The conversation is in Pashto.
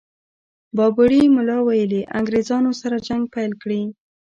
بابړي ملا ویلي انګرېزانو سره جنګ پيل کړي.